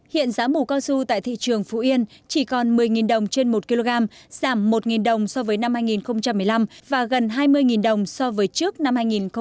hiện giá mù cao su tại thị trường phú yên chỉ còn một mươi đồng trên một kg giảm một đồng so với năm hai nghìn một mươi năm và gần hai mươi đồng so với trước năm hai nghìn một mươi bảy